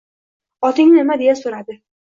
— Oting nima? — deya so‘radi.